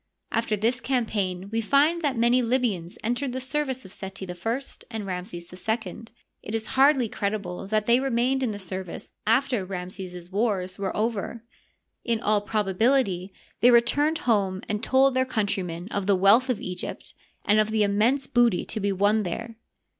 After this campaign we find that many Libyans entered the service of Seti I and Ramses II. It is hardly credible that they remained in the service after Ramses's wars were over. In all probability they returned home and told their coun trymen of the wealth of Egypt and of the immense booty to be won there.